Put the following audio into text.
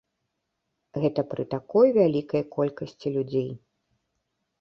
Гэта пры такой вялікай колькасці людзей.